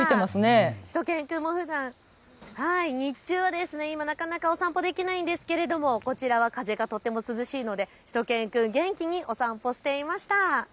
しゅと犬くんもふだん、日中はなかなかお散歩ができないんですがこちらは風がとても涼しいのでしゅと犬くん、元気にお散歩していました。